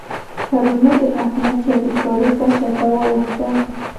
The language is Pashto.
پرون مې د احمد چټي کارو ته چته واوښته.